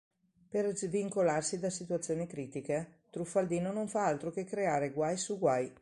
Per svincolarsi da situazioni critiche, Truffaldino non fa altro che creare guai su guai.